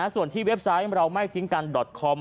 ส่วนที่เว็บไซต์เราไม่ทิ้งกันดอตคอม